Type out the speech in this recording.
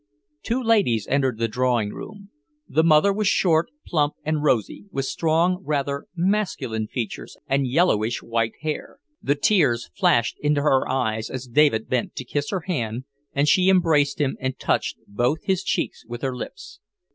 Two ladies entered the drawing room. The mother was short, plump, and rosy, with strong, rather masculine features and yellowish white hair. The tears flashed into her eyes as David bent to kiss her hand, and she embraced him and touched both his cheeks with her lips.